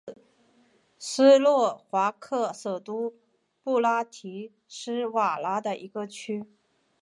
瓦拉库纳是斯洛伐克首都布拉提斯拉瓦的一个区。